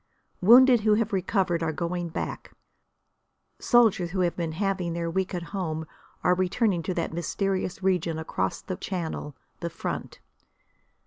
Wounded who have recovered are going back; soldiers who have been having their week at home are returning to that mysterious region across the Channel, the front.